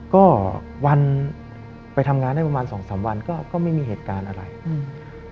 ก็วันไปทำงานได้ประมาณสองสามวันก็ก็ไม่มีเหตุการณ์อะไรอืม